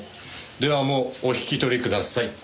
ではもうお引き取りください。